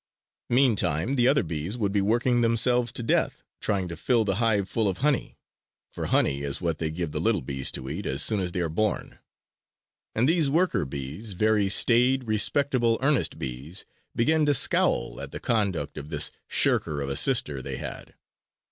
Meantime the other bees would be working themselves to death trying to fill the hive full of honey; for honey is what they give the little bees to eat as soon as they are born. And these worker bees, very staid, respectable, earnest bees, began to scowl at the conduct of this shirker of a sister they had.